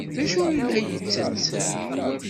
D acu ay la yettett?